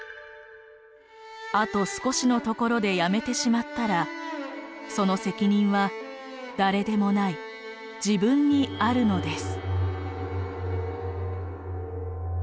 「あと少しのところでやめてしまったらその責任は誰でもない自分にあるのです」。